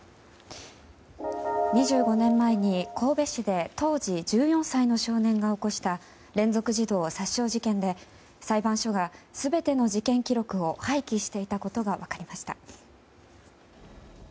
２５年前に、神戸市で当時１４歳の少年が起こした連続児童殺傷事件で、裁判所が全ての事件記録を廃棄していたことが分かりました。